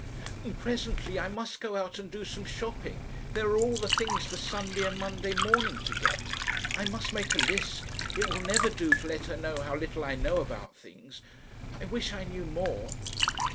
"And presently I must go out and do some shopping. There are all the things for Sunday and Monday morning to get. I must make a list. It will never do to let her know how little I know about things.... I wish I knew more."